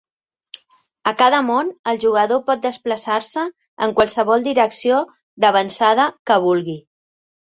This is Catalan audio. A cada món, el jugador pot desplaçar-se en qualsevol direcció d'avançada que vulgui.